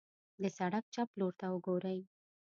د سړک چپ لورته وګورئ.